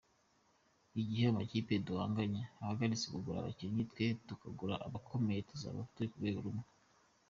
Igihe amakipe duhanganye ahagaritse kugura abakinnyi twe tukagura abakomeye tuzaba turi ku rwego rumwe.